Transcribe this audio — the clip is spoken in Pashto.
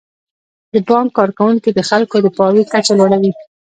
د بانک کارکوونکي د خلکو د پوهاوي کچه لوړوي.